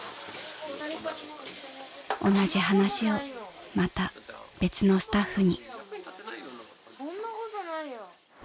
［同じ話をまた別のスタッフに］